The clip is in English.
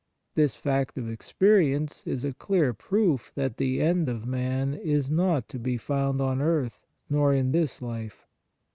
This fact of experience is a clear proof that the end of man is not to be found on earth, nor in this life.